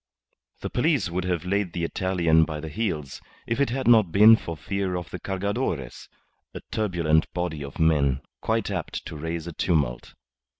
The police would have laid the Italian by the heels if it had not been for fear of the Cargadores, a turbulent body of men, quite apt to raise a tumult.